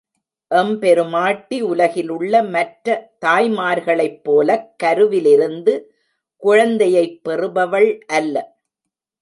எம்பெருமாட்டி உலகிலுள்ள மற்ற தாய்மார்களைப் போலக் கருவிருந்து குழந்தையைப் பெறுபவள் அல்ல.